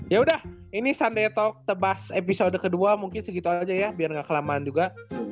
yaudah ini sunday talk tebas episode kedua mungkin segitu aja ya biar ga kelamaan juga